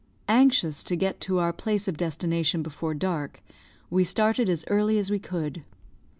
Anxious to get to our place of destination before dark, we started as early as we could.